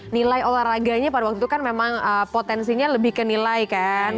nilai olahraganya pada waktu itu kan memang potensinya lebih ke nilai kan